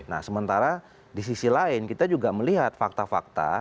nah sementara di sisi lain kita juga melihat fakta fakta